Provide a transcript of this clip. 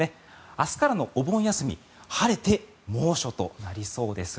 明日からのお盆休み晴れて猛暑となりそうです。